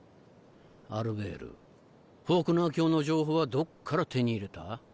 アルベールフォークナー卿の情報はどっから手に入れた？